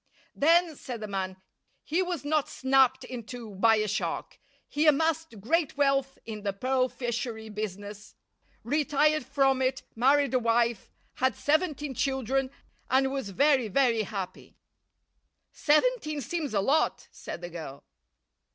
"Then," said the man, "he was not snapped in two by a shark. He amassed great wealth in the pearl fishery business, retired from it, married a wife, had seventeen children, and was very, very happy." "Seventeen seems a lot," said the girl.